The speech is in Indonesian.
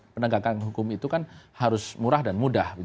penegakan hukum itu kan harus murah dan mudah